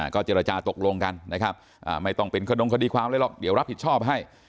ก็เจรจาตกลงกันนะครับไม่ต้องเป็นขนงคดีความอะไรหรอกเดี๋ยวรับผิดชอบให้